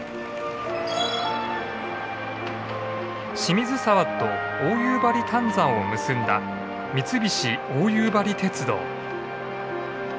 清水沢と大夕張炭山を結んだ三菱大夕張鉄道。